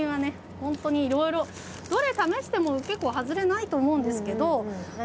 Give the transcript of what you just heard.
ホントにいろいろどれ試しても結構ハズレないと思うんですけど何何？